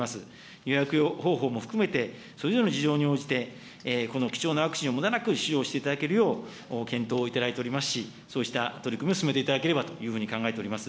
予約方法も含めて、それぞれの事情に応じて、この貴重なワクチンをむだなく使用していただけるよう、検討をいただいておりますし、そうした取り組みを進めていただければというふうに考えております。